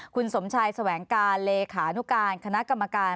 คุณสมชายแสวงการเลขานุการคณะกรรมการ